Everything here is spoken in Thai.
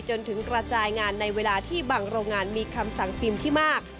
จนถึงกระจายงานในเวลาที่บางโรงงานมีคำสั่งพิมพ์ที่มาก